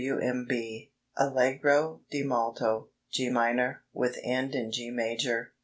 "W. M. B." Allegro di molto, G minor, with end in G major, 3 4.